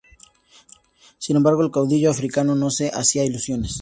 Sin embargo, el caudillo africano no se hacía ilusiones.